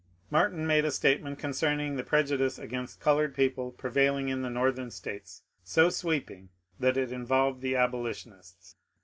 Martin made a statement concerning the prejudice against coloured people prevailing in the Northern States so sweeping that it involved the abolitionists.